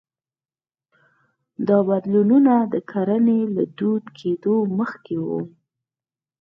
دا بدلونونه د کرنې له دود کېدو مخکې وو